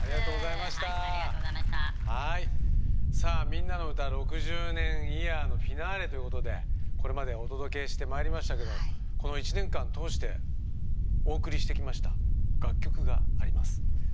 さあ「みんなのうた６０年イヤー」のフィナーレということでこれまでお届けしてまいりましたけどこの一年間通してお送りしてきました楽曲があります。